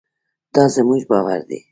دا زموږ باور دی.